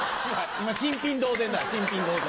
今新品同然だ新品同然。